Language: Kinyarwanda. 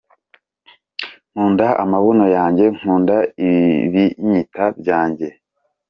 Nkunda amabuno yanjye nkunda ibinyita byanjye.